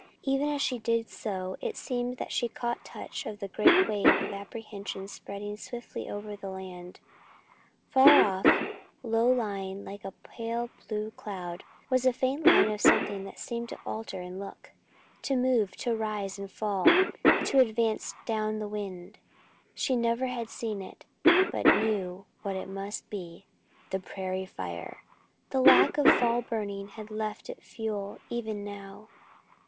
Even as she did so, it seemed that she caught touch of the great wave of apprehension spreading swiftly over the land. Far off, low lying like a pale blue cloud, was a faint line of something that seemed to alter in look, to move, to rise and fall, to advance down the wind. She never had seen it, but knew what it must be the prairie fire! The lack of fall burning had left it fuel even now.